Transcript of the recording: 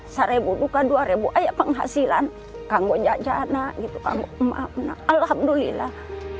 serebu duka dua rebu ayah penghasilan kanggo jajana gitu kanggo maaf nah alhamdulillah